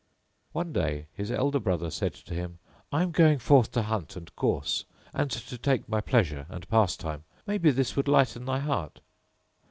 One day his elder brother said to him, "I am going forth to hunt and course and to take my pleasure and pastime; maybe this would lighten thy heart."